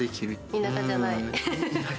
田舎じゃない。